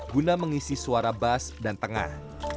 guna mengisi suara bas dan tengah